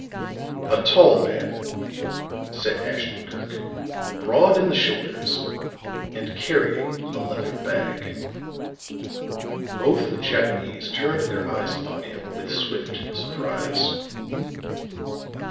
"A tall man," said Ashton Kirk, "broad in the shoulders, and carrying a leather bag." Both Japanese turned their eyes upon him with swift surprise.